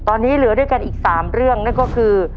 ตอนนี้เหลือด้วยกันอีก๓เรื่องนั่นก็คือ